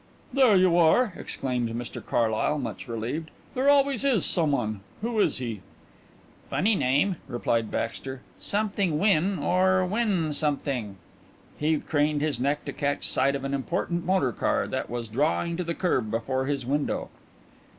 "There you are," exclaimed Mr Carlyle, much relieved. "There always is someone. Who is he?" "Funny name," replied Baxter. "Something Wynn or Wynn something." He craned his neck to catch sight of an important motor car that was drawing to the kerb before his window.